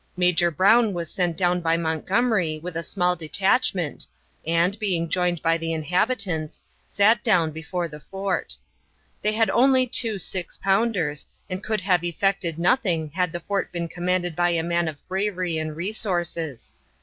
Major Brown was sent down by Montgomery with a small detachment, and, being joined by the inhabitants, sat down before the fort. They had only two six pounders, and could have effected nothing had the fort been commanded by a man of bravery and resources.